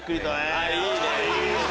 あっいいね！